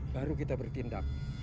baru kita bertindak